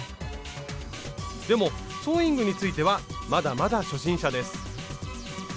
でもソーイングについてはまだまだ初心者です。